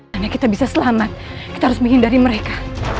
karena kita bisa selamat kita harus menghindari mereka